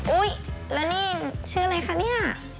อุ๊ยแล้วนี่ชื่ออะไรคะเนี่ย